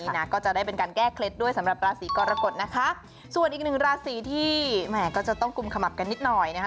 นี่นะก็จะได้เป็นการแก้เคล็ดด้วยสำหรับราศีกรกฎนะคะส่วนอีกหนึ่งราศีที่แหมก็จะต้องกุมขมับกันนิดหน่อยนะคะ